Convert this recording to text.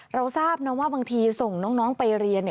เราทราบนะว่าบางทีส่งน้องไปเรียน